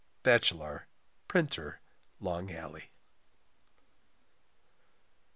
= Batchelar, Printer, Long Alley.